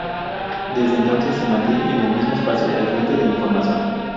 Desde entonces, se mantiene en el mismo espacio al frente de la información.